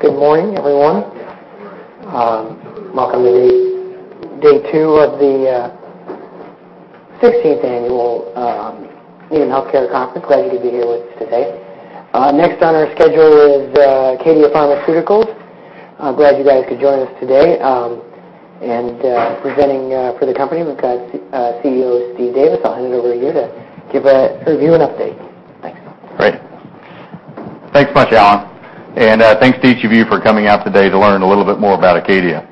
Good morning, everyone. Welcome to day two of the 16th Annual Needham Healthcare Conference. Glad you could be here with us today. Next on our schedule is ACADIA Pharmaceuticals. I'm glad you guys could join us today. Presenting for the company, we've got CEO Steve Davis. I'll hand it over to you to give a review and update. Thanks. Great. Thanks much, Alan, and thanks to each of you for coming out today to learn a little bit more about ACADIA.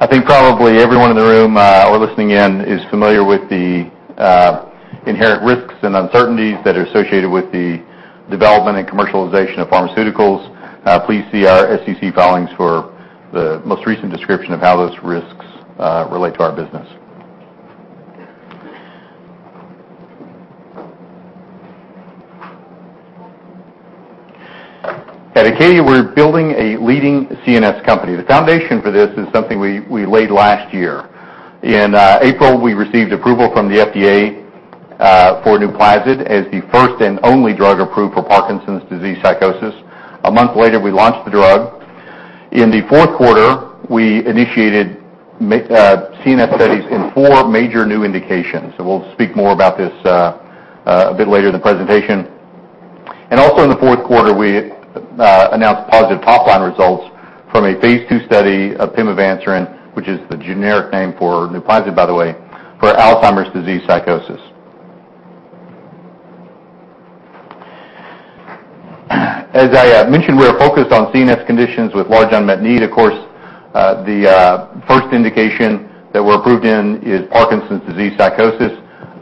I think probably everyone in the room or listening in is familiar with the inherent risks and uncertainties that are associated with the development and commercialization of pharmaceuticals. Please see our SEC filings for the most recent description of how those risks relate to our business. At ACADIA, we're building a leading CNS company. The foundation for this is something we laid last year. In April, we received approval from the FDA for NUPLAZID as the first and only drug approved for Parkinson's disease psychosis. A month later, we launched the drug. In the fourth quarter, we initiated CNS studies in four major new indications, and we'll speak more about this a bit later in the presentation. Also in the fourth quarter, we announced positive top-line results from a phase II study of pimavanserin, which is the generic name for NUPLAZID, by the way, for Alzheimer's disease psychosis. As I mentioned, we're focused on CNS conditions with large unmet need. Of course, the first indication that we're approved in is Parkinson's disease psychosis.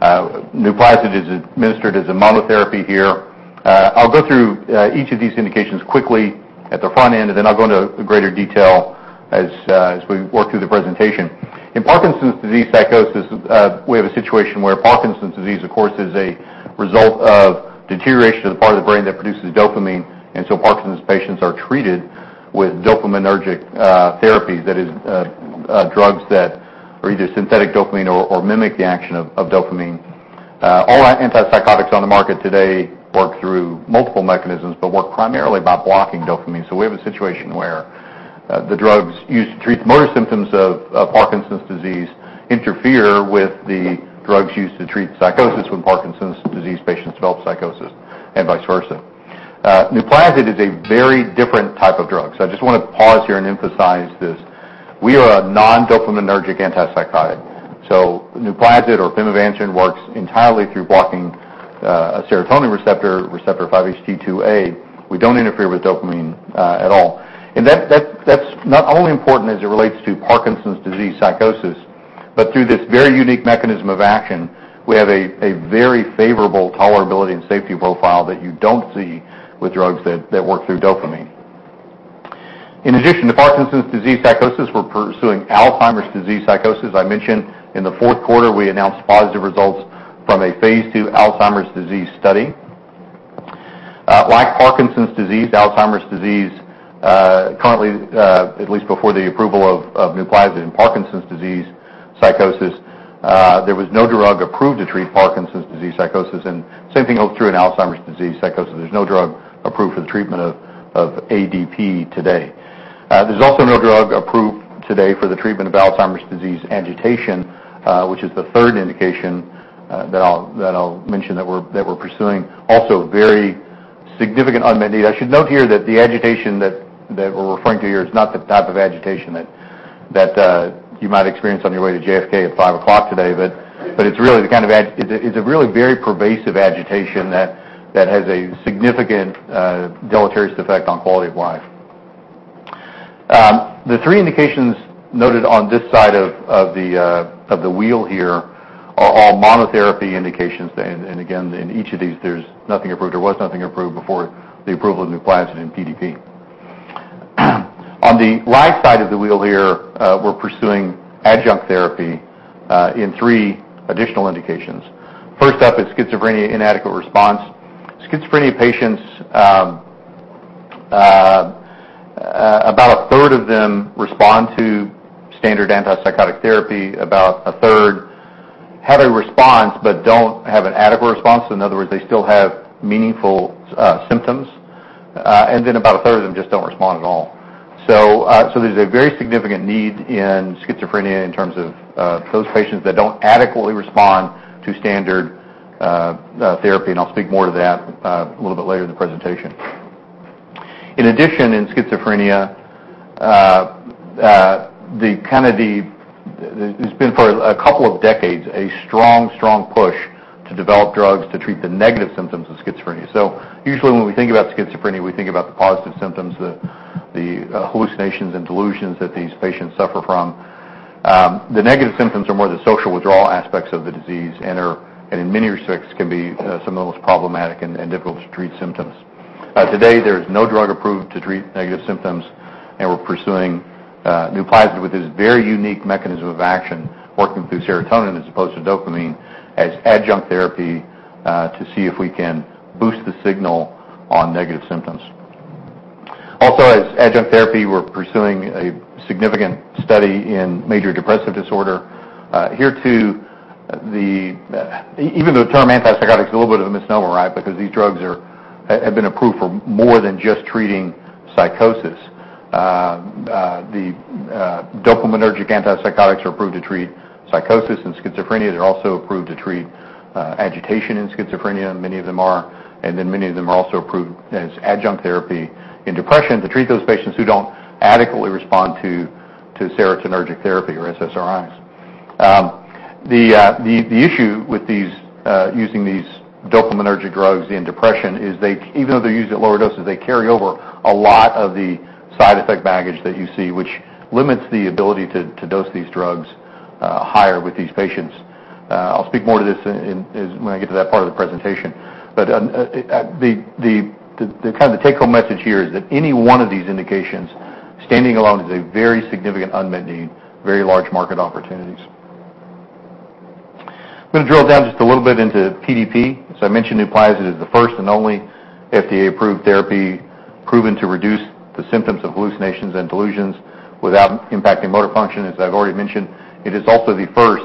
NUPLAZID is administered as a monotherapy here. I'll go through each of these indications quickly at the front end, and then I'll go into greater detail as we work through the presentation. In Parkinson's disease psychosis, we have a situation where Parkinson's disease, of course, is a result of deterioration of the part of the brain that produces dopamine, and so Parkinson's patients are treated with dopaminergic therapy. That is, drugs that are either synthetic dopamine or mimic the action of dopamine. All antipsychotics on the market today work through multiple mechanisms but work primarily by blocking dopamine. We have a situation where the drugs used to treat the motor symptoms of Parkinson's disease interfere with the drugs used to treat psychosis when Parkinson's disease patients develop psychosis and vice versa. NUPLAZID is a very different type of drug. I just want to pause here and emphasize this. We are a non-dopaminergic antipsychotic, so NUPLAZID or pimavanserin works entirely through blocking a serotonin receptor 5HT2A. We don't interfere with dopamine at all. That's not only important as it relates to Parkinson's disease psychosis, but through this very unique mechanism of action, we have a very favorable tolerability and safety profile that you don't see with drugs that work through dopamine. In addition to Parkinson's disease psychosis, we're pursuing Alzheimer's disease psychosis. I mentioned in the fourth quarter, we announced positive results from a phase II Alzheimer's disease study. Like Parkinson's disease, Alzheimer's disease currently, at least before the approval of NUPLAZID in Parkinson's disease psychosis, there was no drug approved to treat Parkinson's disease psychosis and same thing holds true in Alzheimer's disease psychosis. There's no drug approved for the treatment of ADP today. There's also no drug approved today for the treatment of Alzheimer's disease agitation, which is the third indication that I'll mention that we're pursuing. Also very significant unmet need. I should note here that the agitation that we're referring to here is not the type of agitation that you might experience on your way to JFK at 5:00 today. It's a really very pervasive agitation that has a significant deleterious effect on quality of life. The three indications noted on this side of the wheel here are all monotherapy indications. Again, in each of these, there's nothing approved or was nothing approved before the approval of NUPLAZID in PDP. On the right side of the wheel here, we're pursuing adjunct therapy in three additional indications. First up is schizophrenia, inadequate response. Schizophrenia patients, about a third of them respond to standard antipsychotic therapy. About a third have a response but don't have an adequate response. In other words, they still have meaningful symptoms. Then about a third of them just don't respond at all. There's a very significant need in schizophrenia in terms of those patients that don't adequately respond to standard therapy. I'll speak more to that a little bit later in the presentation. In addition, in schizophrenia, there's been for a couple of decades, a strong push to develop drugs to treat the negative symptoms of schizophrenia. Usually when we think about schizophrenia, we think about the positive symptoms, the hallucinations, and delusions that these patients suffer from. The negative symptoms are more the social withdrawal aspects of the disease and in many respects, can be some of the most problematic and difficult to treat symptoms. Today there is no drug approved to treat negative symptoms, and we're pursuing NUPLAZID with this very unique mechanism of action, working through serotonin as opposed to dopamine, as adjunct therapy to see if we can boost the signal on negative symptoms. Also as adjunct therapy, we're pursuing a significant study in major depressive disorder. Here too, even though the term antipsychotic is a little bit of a misnomer, because these drugs have been approved for more than just treating psychosis. The dopaminergic antipsychotics are approved to treat psychosis and schizophrenia. They're also approved to treat agitation in schizophrenia, many of them are. Then many of them are also approved as adjunct therapy in depression to treat those patients who don't adequately respond to serotonergic therapy or SSRIs. The issue with using these dopaminergic drugs in depression is, even though they're used at lower doses, they carry over a lot of the side effect baggage that you see, which limits the ability to dose these drugs higher with these patients. I'll speak more to this when I get to that part of the presentation. The take home message here is that any one of these indications standing alone is a very significant unmet need, very large market opportunities. I am going to drill down just a little bit into PDP. As I mentioned, NUPLAZID is the first and only FDA-approved therapy proven to reduce the symptoms of hallucinations and delusions without impacting motor function, as I have already mentioned. It is also the first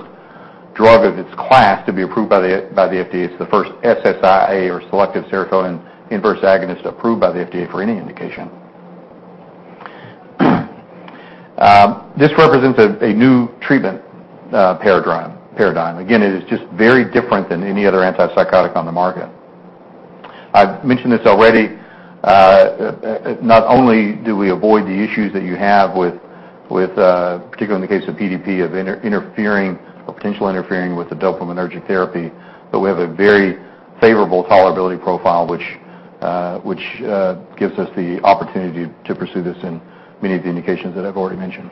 drug of its class to be approved by the FDA. It is the first SSIA or selective serotonin inverse agonist approved by the FDA for any indication. This represents a new treatment paradigm. Again, it is just very different than any other antipsychotic on the market. I have mentioned this already. Not only do we avoid the issues that you have with, particularly in the case of PDP, of potentially interfering with the dopaminergic therapy, but we have a very favorable tolerability profile, which gives us the opportunity to pursue this in many of the indications that I have already mentioned.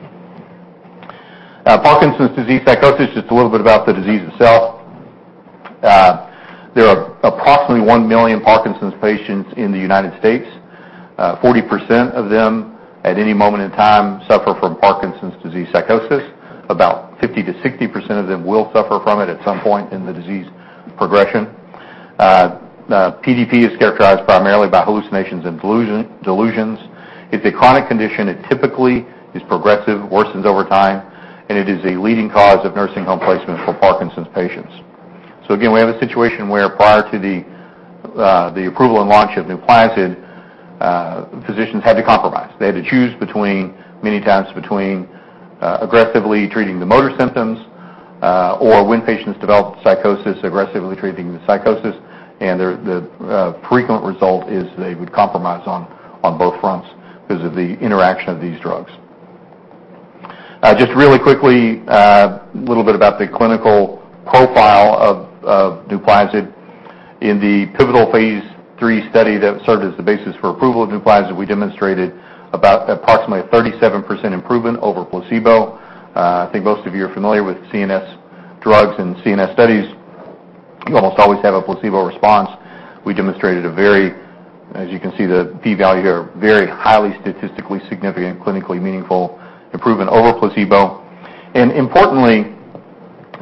Parkinson's disease psychosis, just a little bit about the disease itself. There are approximately 1 million Parkinson's patients in the U.S. 40% of them, at any moment in time, suffer from Parkinson's disease psychosis. About 50%-60% of them will suffer from it at some point in the disease progression. PDP is characterized primarily by hallucinations and delusions. It is a chronic condition. It typically is progressive, worsens over time, and it is a leading cause of nursing home placement for Parkinson's patients. Again, we have a situation where prior to the approval and launch of NUPLAZID, physicians had to compromise. They had to choose many times between aggressively treating the motor symptoms or when patients developed psychosis, aggressively treating the psychosis, and the frequent result is they would compromise on both fronts because of the interaction of these drugs. Just really quickly, a little bit about the clinical profile of NUPLAZID. In the pivotal phase III study that served as the basis for approval of NUPLAZID, we demonstrated about approximately a 37% improvement over placebo. I think most of you are familiar with CNS drugs and CNS studies. You almost always have a placebo response. We demonstrated a very, as you can see, the P value here, very highly statistically significant, clinically meaningful improvement over placebo. Importantly,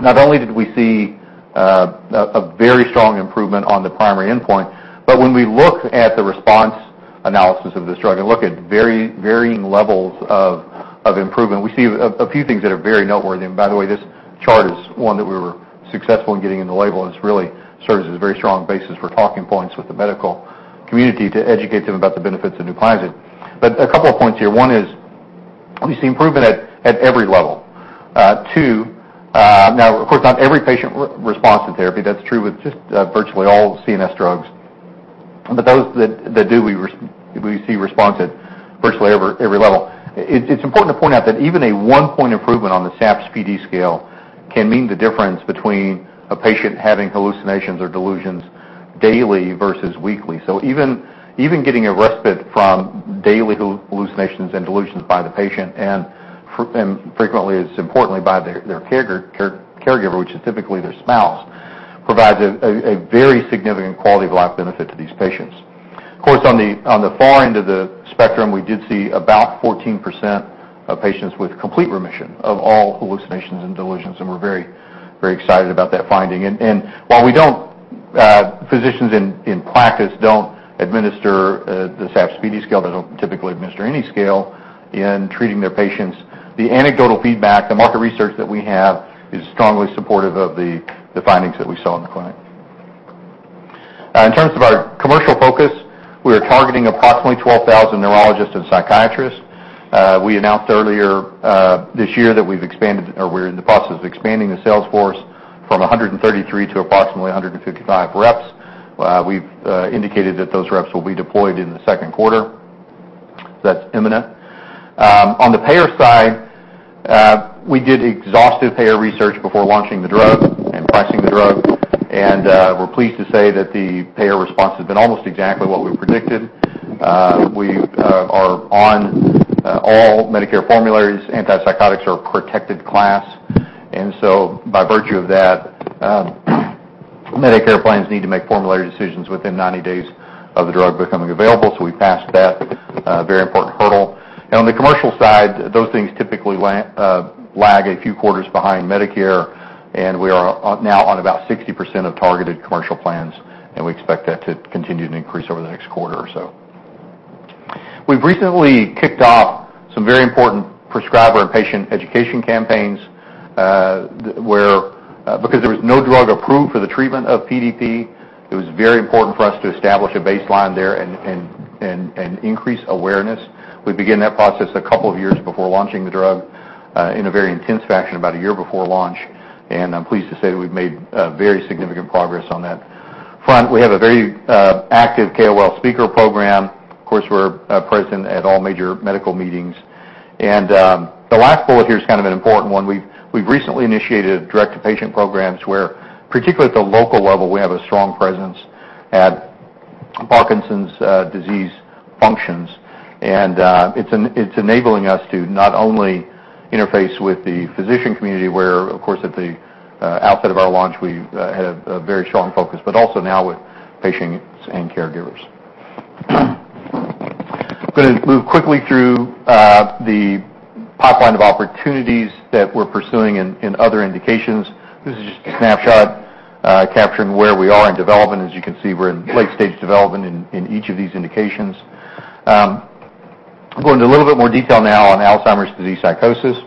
not only did we see a very strong improvement on the primary endpoint, but when we look at the response analysis of this drug and look at varying levels of improvement, we see a few things that are very noteworthy. By the way, this chart is one that we were successful in getting in the label, and this really serves as a very strong basis for talking points with the medical community to educate them about the benefits of NUPLAZID. A couple of points here. One is we see improvement at every level. Two, now of course, not every patient responds to therapy. That is true with just virtually all CNS drugs. Those that do, we see response at virtually every level. It's important to point out that even a one-point improvement on the SAPS-PD scale can mean the difference between a patient having hallucinations or delusions daily versus weekly. Even getting a respite from daily hallucinations and delusions by the patient and frequently, as importantly, by their caregiver, which is typically their spouse, provides a very significant quality of life benefit to these patients. Of course, on the far end of the spectrum, we did see about 14% of patients with complete remission of all hallucinations and delusions, and we're very excited about that finding. While physicians in practice don't administer the SAPS-PD scale, they don't typically administer any scale in treating their patients. The anecdotal feedback, the market research that we have is strongly supportive of the findings that we saw in the clinic. In terms of our commercial focus, we are targeting approximately 12,000 neurologists and psychiatrists. We announced earlier this year that we're in the process of expanding the sales force from 133 to approximately 155 reps. We've indicated that those reps will be deployed in the second quarter. That's imminent. On the payer side, we did exhaustive payer research before launching the drug and pricing the drug, and we're pleased to say that the payer response has been almost exactly what we predicted. We are on all Medicare formularies. Antipsychotics are a protected class, and so by virtue of that Medicare plans need to make formulary decisions within 90 days of the drug becoming available. We passed that very important hurdle. On the commercial side, those things typically lag a few quarters behind Medicare. We are now on about 60% of targeted commercial plans, and we expect that to continue to increase over the next quarter or so. We've recently kicked off some very important prescriber and patient education campaigns, where because there was no drug approved for the treatment of PDP, it was very important for us to establish a baseline there and increase awareness. We began that process a couple of years before launching the drug in a very intense fashion, about a year before launch. I'm pleased to say that we've made very significant progress on that front. We have a very active KOL speaker program. Of course, we're present at all major medical meetings. The last bullet here is kind of an important one. We've recently initiated direct-to-patient programs where, particularly at the local level, we have a strong presence at Parkinson's disease functions. It's enabling us to not only interface with the physician community where, of course, at the outset of our launch, we had a very strong focus, but also now with patients and caregivers. I'm going to move quickly through the pipeline of opportunities that we're pursuing in other indications. This is just a snapshot capturing where we are in development. As you can see, we're in late-stage development in each of these indications. Go into a little bit more detail now on Alzheimer's disease psychosis,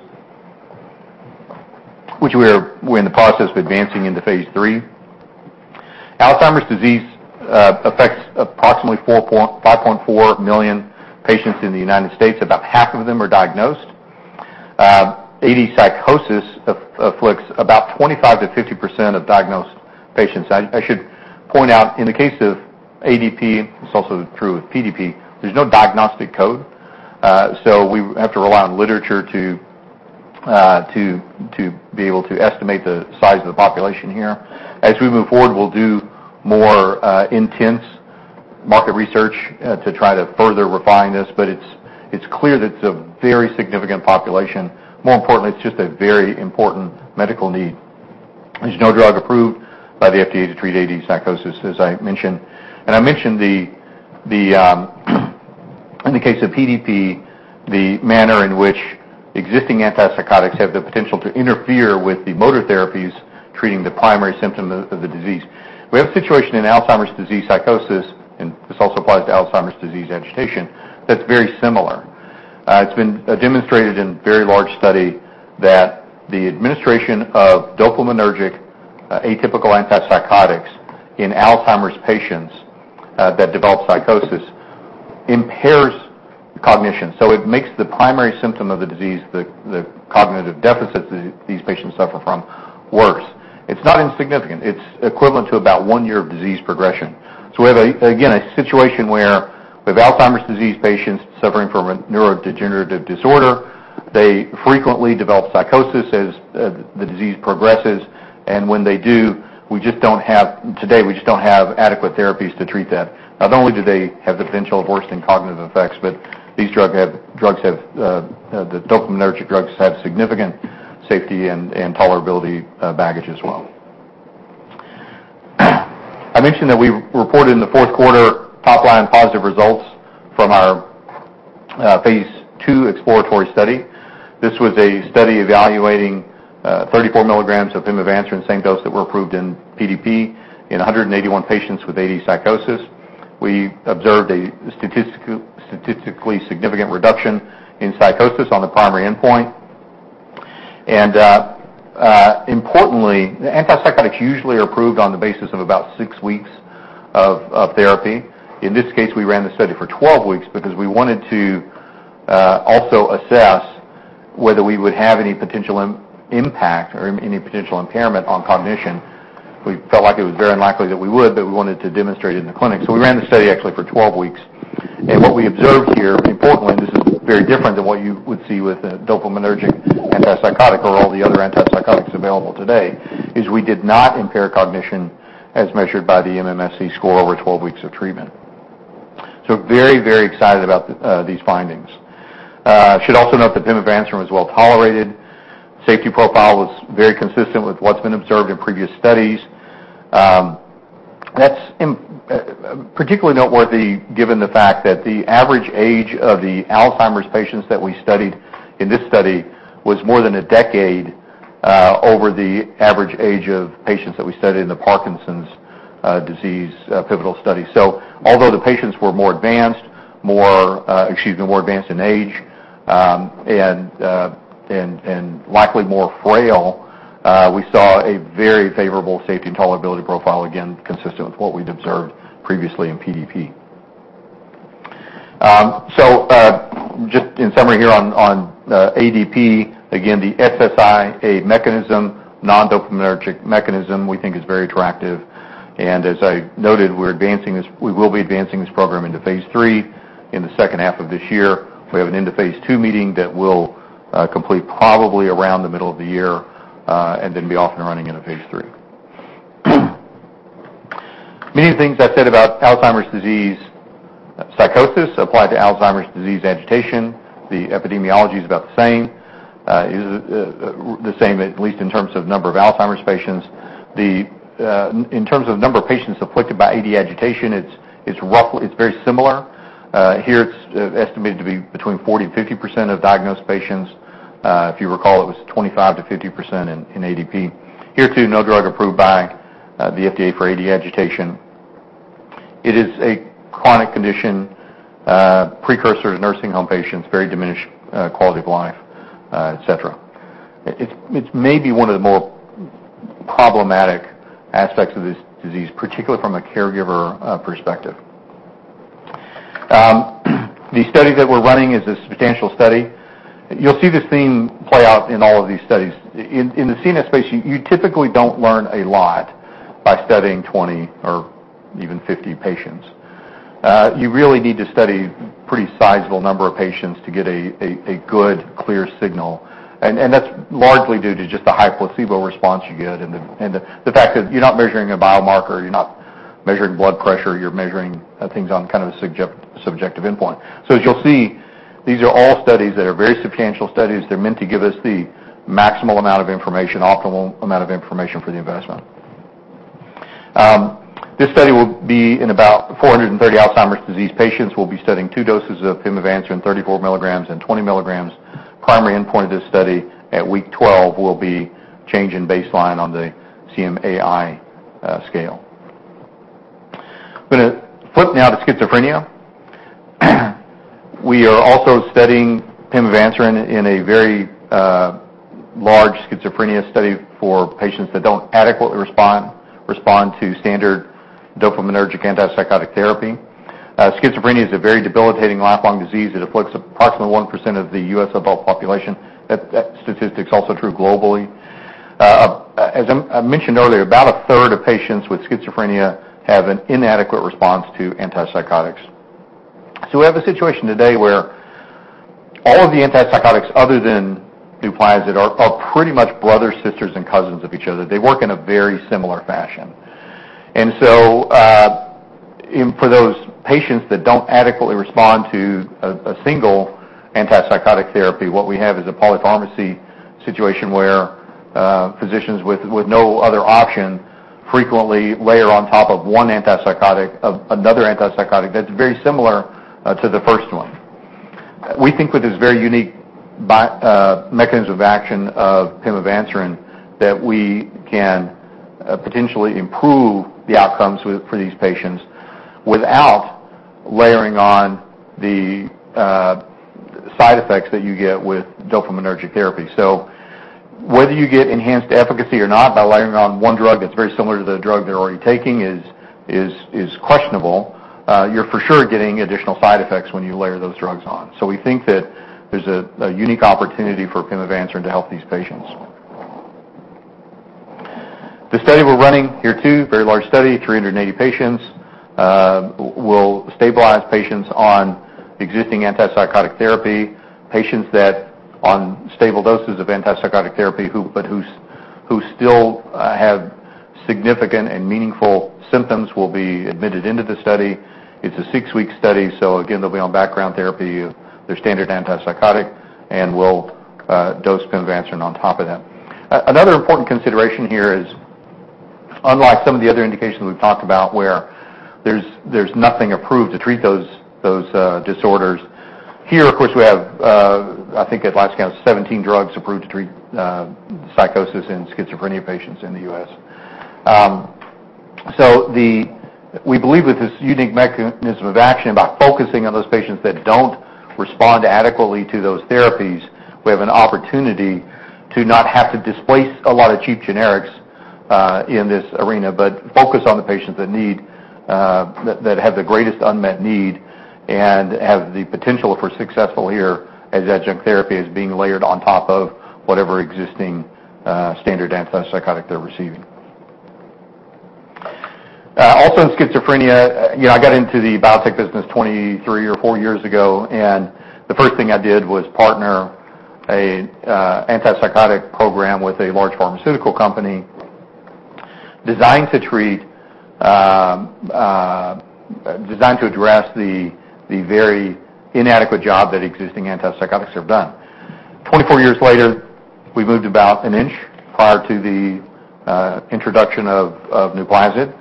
which we're in the process of advancing into phase III. Alzheimer's disease affects approximately 5.4 million patients in the United States. About half of them are diagnosed. AD psychosis afflicts about 25%-50% of diagnosed patients. I should point out, in the case of ADP, it's also true with PDP, there's no diagnostic code. We have to rely on literature to be able to estimate the size of the population here. As we move forward, we'll do more intense market research to try to further refine this. It's clear that it's a very significant population. More importantly, it's just a very important medical need. There's no drug approved by the FDA to treat AD psychosis, as I mentioned. I mentioned, in the case of PDP, the manner in which existing antipsychotics have the potential to interfere with the motor therapies, treating the primary symptom of the disease. We have a situation in Alzheimer's disease psychosis, and this also applies to Alzheimer's disease agitation, that's very similar. It's been demonstrated in a very large study that the administration of dopaminergic atypical antipsychotics in Alzheimer's patients that develop psychosis impairs cognition. It makes the primary symptom of the disease, the cognitive deficits these patients suffer from, worse. It's not insignificant. It's equivalent to about one year of disease progression. We have, again, a situation where we have Alzheimer's disease patients suffering from a neurodegenerative disorder. They frequently develop psychosis as the disease progresses. When they do, today, we just don't have adequate therapies to treat that. Not only do they have the potential of worsening cognitive effects, but the dopaminergic drugs have significant safety and tolerability baggage as well. I mentioned that we reported in the fourth quarter top line positive results from our phase II exploratory study. This was a study evaluating 34 milligrams of pimavanserin, same dose that were approved in PDP, in 181 patients with AD psychosis. We observed a statistically significant reduction in psychosis on the primary endpoint. Importantly, the antipsychotics usually are approved on the basis of about six weeks of therapy. In this case, we ran the study for 12 weeks because we wanted to also assess whether we would have any potential impact or any potential impairment on cognition. We felt like it was very unlikely that we would, but we wanted to demonstrate it in the clinic. We ran the study actually for 12 weeks. What we observed here, importantly, this is very different than what you would see with a dopaminergic antipsychotic or all the other antipsychotics available today, is we did not impair cognition as measured by the MMSE score over 12 weeks of treatment. Very excited about these findings. Should also note that pimavanserin was well-tolerated. Safety profile was very consistent with what's been observed in previous studies. That's particularly noteworthy given the fact that the average age of the Alzheimer's patients that we studied in this study was more than a decade over the average age of patients that we studied in the Parkinson's disease pivotal study. Although the patients were more advanced in age and likely more frail, we saw a very favorable safety and tolerability profile, again, consistent with what we'd observed previously in PDP. Just in summary here on ADP, again, the SSIA, a mechanism, non-dopaminergic mechanism we think is very attractive. As I noted, we will be advancing this program into phase III in the second half of this year. We have an end of phase II meeting that will complete probably around the middle of the year and then be off and running into phase III. Many of the things I said about Alzheimer's disease psychosis apply to Alzheimer's disease agitation. The epidemiology is about the same, at least in terms of number of Alzheimer's patients. In terms of the number of patients afflicted by AD agitation, it's very similar. Here, it's estimated to be between 40%-50% of diagnosed patients. If you recall, it was 25%-50% in ADP. Here too, no drug approved by the FDA for AD agitation. It is a chronic condition, precursor to nursing home patients, very diminished quality of life, et cetera. It's maybe one of the more problematic aspects of this disease, particularly from a caregiver perspective. The study that we're running is a substantial study. You'll see this theme play out in all of these studies. In the CNS space, you typically don't learn a lot by studying 20 or even 50 patients. You really need to study a pretty sizable number of patients to get a good, clear signal. That's largely due to just the high placebo response you get and the fact that you're not measuring a biomarker, you're not measuring blood pressure, you're measuring things on kind of a subjective endpoint. As you'll see, these are all studies that are very substantial studies. They're meant to give us the maximal amount of information, optimal amount of information for the investment. This study will be in about 430 Alzheimer's disease patients. We'll be studying two doses of pimavanserin, 34 milligrams and 20 milligrams. Primary endpoint of this study at week 12 will be change in baseline on the CMAI scale. I'm going to flip now to schizophrenia. We are also studying pimavanserin in a very large schizophrenia study for patients that don't adequately respond to standard dopaminergic antipsychotic therapy. Schizophrenia is a very debilitating lifelong disease that afflicts approximately 1% of the U.S. adult population. That statistic is also true globally. As I mentioned earlier, about a third of patients with schizophrenia have an inadequate response to antipsychotics. We have a situation today where all of the antipsychotics, other than NUPLAZID, are pretty much brothers, sisters, and cousins of each other. They work in a very similar fashion. For those patients that don't adequately respond to a single antipsychotic therapy, what we have is a polypharmacy situation where physicians with no other option frequently layer on top of one antipsychotic another antipsychotic that's very similar to the first one. We think with this very unique mechanism of action of pimavanserin that we can potentially improve the outcomes for these patients without layering on the side effects that you get with dopaminergic therapy. Whether you get enhanced efficacy or not by layering on one drug that's very similar to the drug they're already taking is questionable. You're for sure getting additional side effects when you layer those drugs on. We think that there's a unique opportunity for pimavanserin to help these patients. The study we're running here too, very large study, 380 patients. We'll stabilize patients on existing antipsychotic therapy. Patients that on stable doses of antipsychotic therapy, but who still have significant and meaningful symptoms will be admitted into the study. It's a six-week study, again, they'll be on background therapy, their standard antipsychotic, and we'll dose pimavanserin on top of that. Another important consideration here is, unlike some of the other indications we've talked about where there's nothing approved to treat those disorders, here of course, we have I think at last count 17 drugs approved to treat psychosis in schizophrenia patients in the U.S. We believe with this unique mechanism of action, by focusing on those patients that don't respond adequately to those therapies, we have an opportunity to not have to displace a lot of cheap generics in this arena, but focus on the patients that have the greatest unmet need and have the potential for successful here as adjunct therapy is being layered on top of whatever existing standard antipsychotic they're receiving. In schizophrenia, I got into the biotech business 23 or 4 years ago, and the first thing I did was partner an antipsychotic program with a large pharmaceutical company designed to address the very inadequate job that existing antipsychotics have done. 24 years later, we've moved about an inch prior to the introduction of NUPLAZID.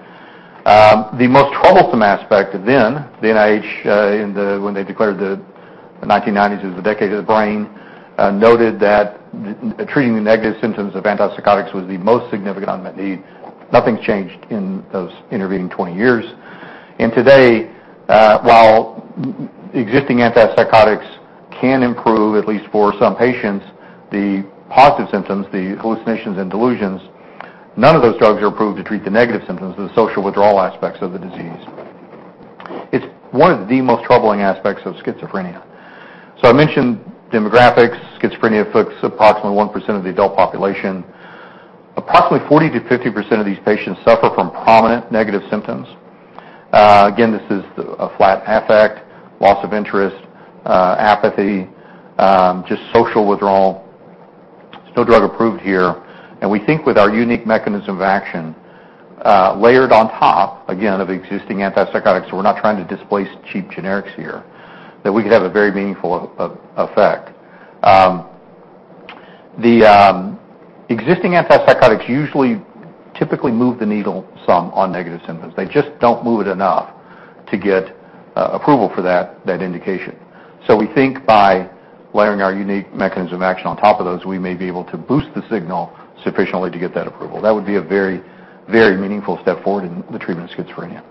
The most troublesome aspect then, the NIH when they declared the 1990s as the decade of the brain, noted that treating the negative symptoms of antipsychotics was the most significant unmet need. Nothing's changed in those intervening 20 years. Today, while existing antipsychotics can improve, at least for some patients, the positive symptoms, the hallucinations and delusions, none of those drugs are approved to treat the negative symptoms, the social withdrawal aspects of the disease. It's one of the most troubling aspects of schizophrenia. I mentioned demographics. Schizophrenia affects approximately 1% of the adult population. Approximately 40%-50% of these patients suffer from prominent negative symptoms. Again, this is a flat affect, loss of interest, apathy, just social withdrawal. Still drug approved here. We think with our unique mechanism of action. Layered on top, again, of existing antipsychotics. We're not trying to displace cheap generics here, that we could have a very meaningful effect. The existing antipsychotics usually typically move the needle some on negative symptoms. They just don't move it enough to get approval for that indication. We think by layering our unique mechanism of action on top of those, we may be able to boost the signal sufficiently to get that approval. That would be a very, very meaningful step forward in the treatment of schizophrenia.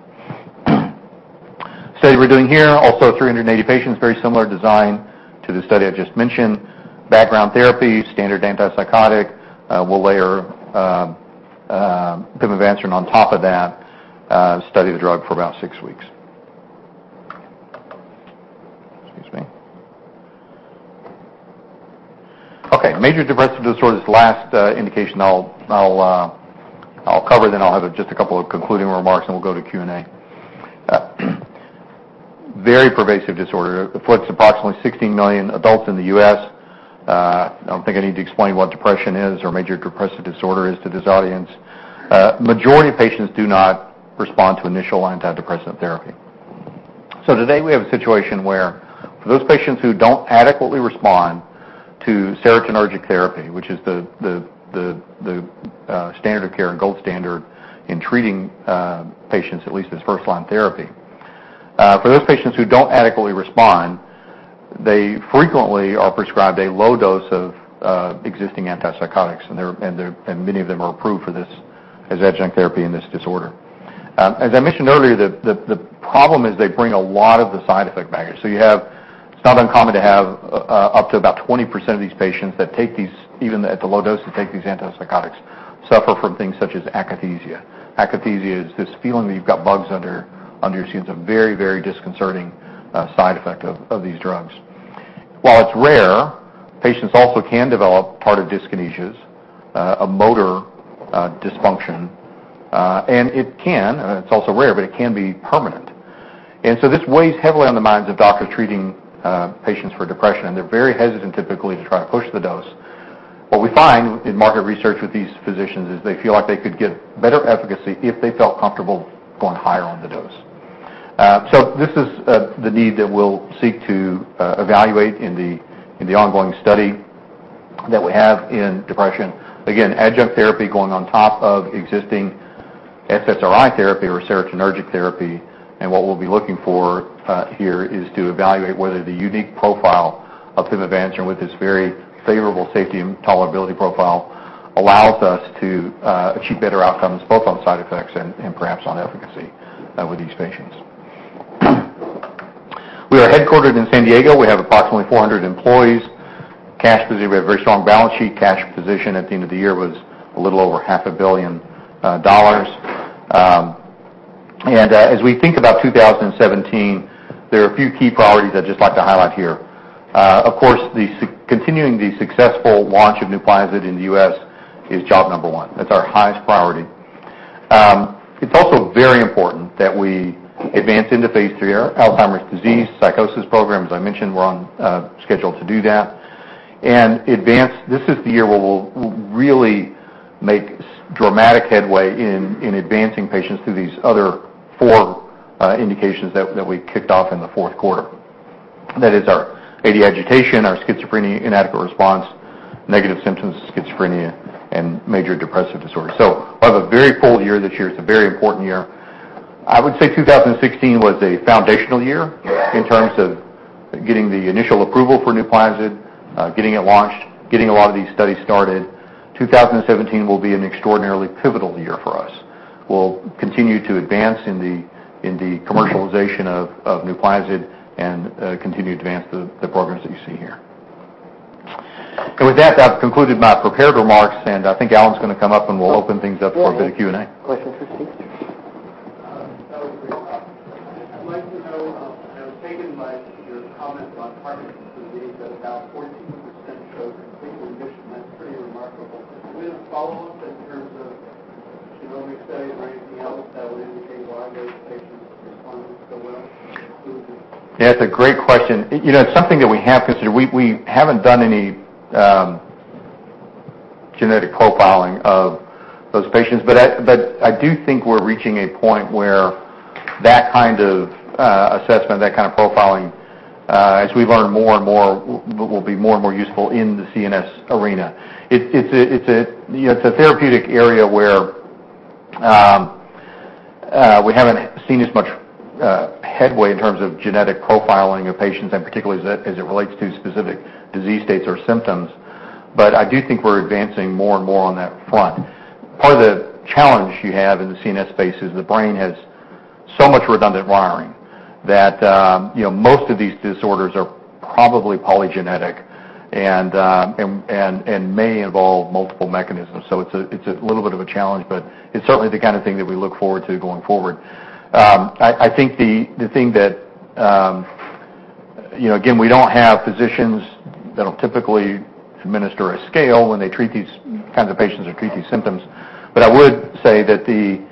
Study we're doing here, also 380 patients, very similar design to the study I just mentioned. Background therapy, standard antipsychotic. We'll layer pimavanserin on top of that, study the drug for about 6 weeks. Excuse me. Major depressive disorder is the last indication I'll cover, then I'll have just a couple of concluding remarks, and we'll go to Q&A. Very pervasive disorder. It afflicts approximately 16 million adults in the U.S. I don't think I need to explain what depression is or major depressive disorder is to this audience. Majority of patients do not respond to initial antidepressant therapy. Today we have a situation where for those patients who don't adequately respond to serotonergic therapy, which is the standard of care and gold standard in treating patients, at least as first-line therapy. For those patients who don't adequately respond, they frequently are prescribed a low dose of existing antipsychotics, and many of them are approved for this as adjunct therapy in this disorder. As I mentioned earlier, the problem is they bring a lot of the side effect baggage. It's not uncommon to have up to about 20% of these patients, even at the low dose, that take these antipsychotics suffer from things such as akathisia. Akathisia is this feeling that you've got bugs under your skin. It's a very, very disconcerting side effect of these drugs. While it's rare, patients also can develop tardive dyskinesia, a motor dysfunction. It's also rare, but it can be permanent. This weighs heavily on the minds of doctors treating patients for depression, and they're very hesitant typically to try to push the dose. What we find in market research with these physicians is they feel like they could get better efficacy if they felt comfortable going higher on the dose. This is the need that we'll seek to evaluate in the ongoing study that we have in depression. Again, adjunct therapy going on top of existing SSRI therapy or serotonergic therapy. What we'll be looking for here is to evaluate whether the unique profile of pimavanserin, with its very favorable safety and tolerability profile, allows us to achieve better outcomes both on side effects and perhaps on efficacy with these patients. We are headquartered in San Diego. We have approximately 400 employees. Cash position, we have a very strong balance sheet. Cash position at the end of the year was a little over half a billion dollars. As we think about 2017, there are a few key priorities I'd just like to highlight here. Of course, continuing the successful launch of NUPLAZID in the U.S. is job number one. That's our highest priority. It's also very important that we advance into phase III Alzheimer's disease psychosis programs. I mentioned we're on schedule to do that. This is the year where we'll really make dramatic headway in advancing patients through these other four indications that we kicked off in the fourth quarter. That is our AD agitation, our schizophrenia inadequate response, negative symptoms of schizophrenia, and major depressive disorder. We'll have a very full year this year. It's a very important year. I would say 2016 was a foundational year in terms of getting the initial approval for NUPLAZID, getting it launched, getting a lot of these studies started. 2017 will be an extraordinarily pivotal year for us. We'll continue to advance in the Yeah, that's a great question. It's something that we have considered. We haven't done any genetic profiling of those patients, but I do think we're reaching a point where that kind of assessment, that kind of profiling, as we learn more and more, will be more and more useful in the CNS arena. It's a therapeutic area where we haven't seen as much headway in terms of genetic profiling of patients, and particularly as it relates to specific disease states or symptoms. I do think we're advancing more and more on that front. Part of the challenge you have in the CNS space is the brain has so much redundant wiring that most of these disorders are probably polygenetic and may involve multiple mechanisms. It's a little bit of a challenge, but it's certainly the kind of thing that we look forward to going forward. I think the thing that again, we don't have physicians that'll typically administer a scale when they treat these kinds of patients or treat these symptoms. I would say that the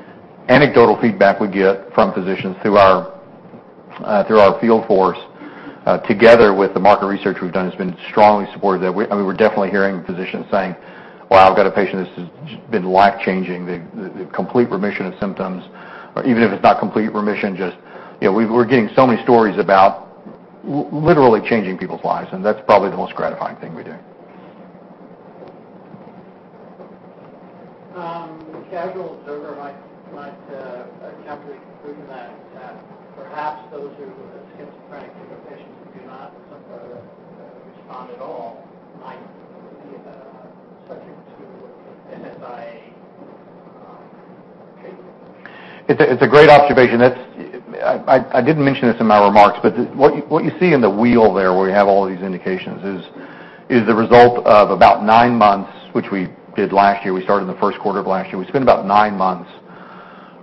anecdotal feedback we get from physicians through our field force, together with the market research we've done, has been strongly supported. We're definitely hearing physicians saying, "Wow, I've got a patient, this has just been life-changing." The complete remission of symptoms, or even if it's not complete remission, just we're getting so many stories about literally changing people's lives, and that's probably the most gratifying thing we do. A casual observer might attempt to conclude from that perhaps those who have schizophrenic patients who do not in some further respond at all might be subject to an NSI claim. It's a great observation. I didn't mention this in my remarks, what you see in the wheel there, where you have all these indications, is the result of about nine months, which we did last year. We started in the first quarter of last year. We spent about nine months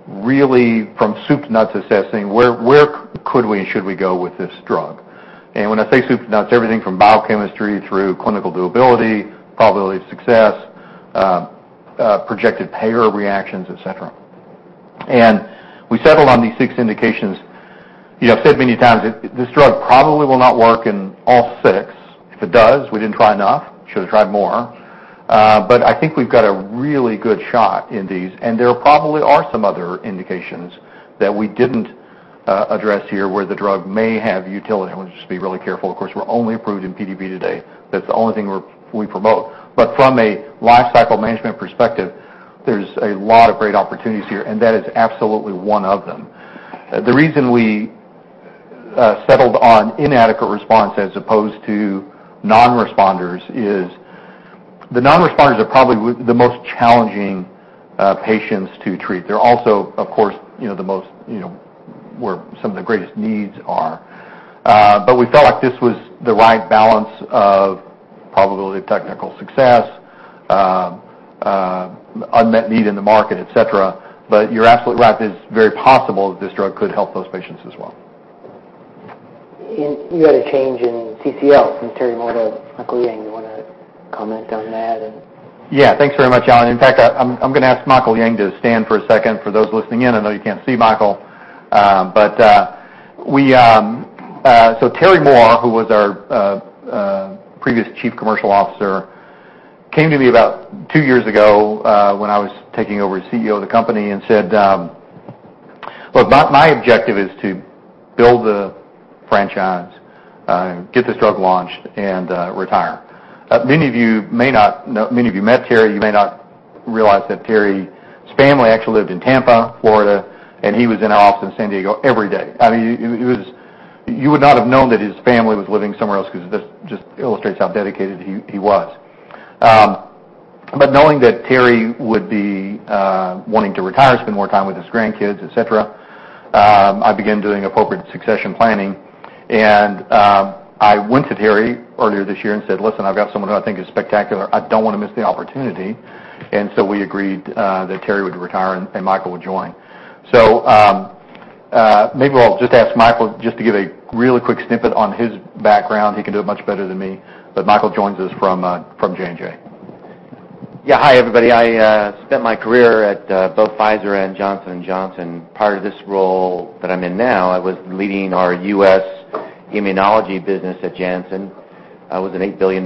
really from soup to nuts, assessing where could we and should we go with this drug. When I say soup to nuts, everything from biochemistry through clinical durability, probability of success, projected payer reactions, et cetera. We settled on these six indications. I've said many times, this drug probably will not work in all six. If it does, we didn't try enough. Should have tried more. I think we've got a really good shot in these. There probably are some other indications that we didn't address here, where the drug may have utility. I want to just be really careful. Of course, we're only approved in PDP today. That's the only thing we promote. From a lifecycle management perspective, there's a lot of great opportunities here, and that is absolutely one of them. The reason we settled on inadequate response as opposed to non-responders is the non-responders are probably the most challenging patients to treat. They're also, of course, where some of the greatest needs are. We felt like this was the right balance of probability of technical success, unmet need in the market, et cetera. You're absolutely right. It is very possible that this drug could help those patients as well. You had a change in CCO from Terrence Moore to Michael Yang. You want to comment on that? Thanks very much, Alan. In fact, I'm going to ask Michael Yang to stand for a second for those listening in. I know you can't see Michael. Terry Moore, who was our previous Chief Commercial Officer, came to me about two years ago, when I was taking over as CEO of the company, and said, "Look, my objective is to build the franchise, get this drug launched, and retire." Many of you met Terry. You may not realize that Terry's family actually lived in Tampa, Florida, and he was in our office in San Diego every day. You would not have known that his family was living somewhere else because that just illustrates how dedicated he was. Knowing that Terry would be wanting to retire, spend more time with his grandkids, et cetera, I began doing appropriate succession planning. I went to Terry earlier this year and said, "Listen, I've got someone who I think is spectacular. I don't want to miss the opportunity." We agreed that Terry would retire, and Michael would join. Maybe I'll just ask Michael just to give a really quick snippet on his background. He can do it much better than me. Michael joins us from J&J. Yeah. Hi, everybody. I spent my career at both Pfizer and Johnson & Johnson. Prior to this role that I'm in now, I was leading our U.S. immunology business at Janssen. It was an $8 billion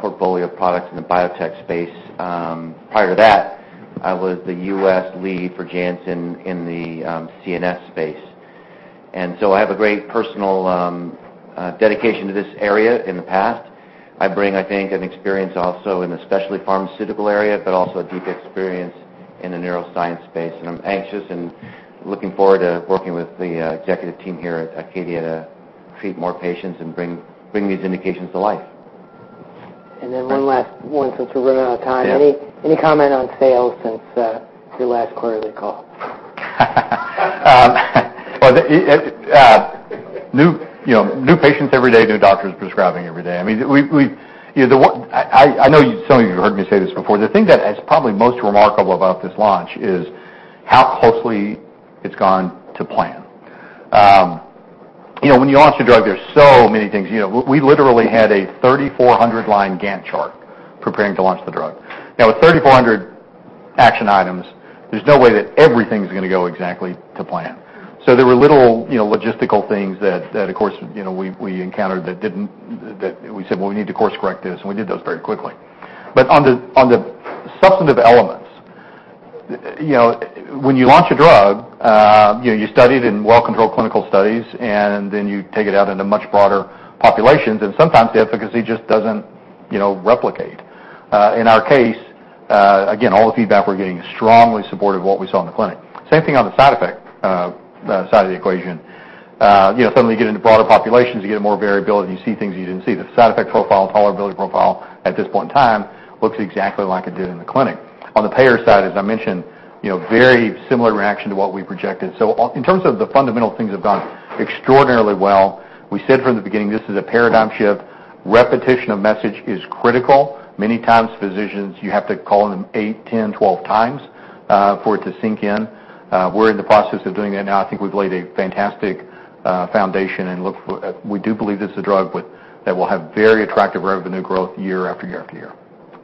portfolio of products in the biotech space. Prior to that, I was the U.S. lead for Janssen in the CNS space. I have a great personal dedication to this area in the past. I bring, I think, an experience also in the specialty pharmaceutical area, but also a deep experience in the neuroscience space. I'm anxious and looking forward to working with the executive team here at ACADIA to treat more patients and bring these indications to life. One last one since we're running out of time. Yeah. Any comment on sales since your last quarterly call? New patients every day, new doctors prescribing every day. I know some of you have heard me say this before. The thing that is probably most remarkable about this launch is how closely it's gone to plan. When you launch a drug, there's so many things. We literally had a 3,400-line Gantt chart preparing to launch the drug. With 3,400 action items, there's no way that everything's going to go exactly to plan. There were little logistical things that, of course, we encountered that we said, "Well, we need to course-correct this," and we did those very quickly. On the substantive elements, when you launch a drug, you study it in well-controlled clinical studies, and then you take it out into much broader populations. Sometimes the efficacy just doesn't replicate. In our case, again, all the feedback we're getting is strongly supportive of what we saw in the clinic. Same thing on the side effect side of the equation. Suddenly you get into broader populations, you get more variability, and you see things you didn't see. The side effect profile and tolerability profile at this point in time looks exactly like it did in the clinic. On the payer side, as I mentioned, very similar reaction to what we projected. In terms of the fundamental things have gone extraordinarily well. We said from the beginning, this is a paradigm shift. Repetition of message is critical. Many times, physicians, you have to call them eight, 10, 12 times for it to sink in. We're in the process of doing that now. I think we've laid a fantastic foundation and we do believe this is a drug that will have very attractive revenue growth year after year after year.